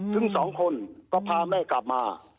ถึงสองคนก็พาแม่กลับมา